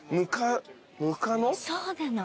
そうなの。